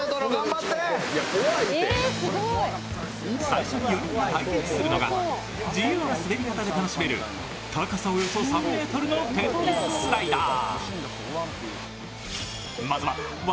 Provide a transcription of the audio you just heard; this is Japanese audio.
最初の４人が体験するのは自由な滑り方が楽しめる高さおよそ３ｍの天然スライダー。